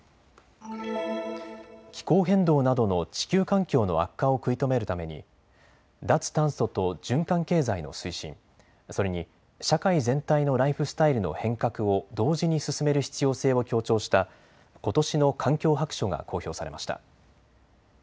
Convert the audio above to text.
気候変動などの地球環境の悪化を食い止めるために脱炭素と循環経済の推進、それに社会全体のライフスタイルの変革を同時に進める必要性を強調したことしの環境白書が公表されました。